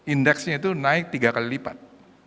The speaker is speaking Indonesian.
indeksnya itu naik tiga kali lipat